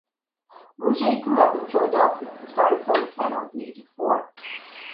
Roget grew up in Philadelphia and starting playing piano at the age of four.